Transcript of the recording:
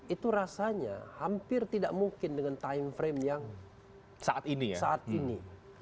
itu rasanya hampir tidak mungkin dengan time frame yang saat ini